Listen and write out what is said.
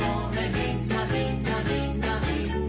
みんなみんなみんなみんな」